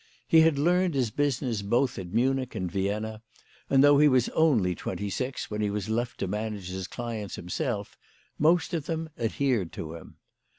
He had learned his business both at Munich and Yienna, and though he was only twenty six when he was left to manage his clients himself, most of them adhered to him.